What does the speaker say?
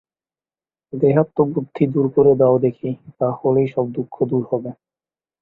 দেহাত্মবুদ্ধি দূর করে দাও দেখি, তা হলেই সব দুঃখ দূর হবে।